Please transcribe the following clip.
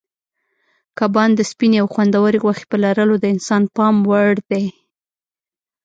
کبان د سپینې او خوندورې غوښې په لرلو د انسان پام وړ دي.